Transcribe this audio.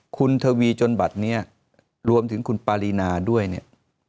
คุณทวีจนบัตรนี้รวมถึงคุณปารีนาด้วยเนี่ย